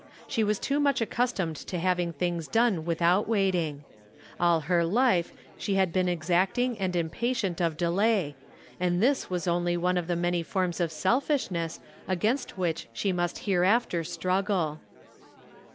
She was too much accustomed to having things done without waiting. All her life she had been ex acting and impatient of delay, and this was only 348 From Different Standpoints. one of the many forms of selfishness against which she must hereafter struggle.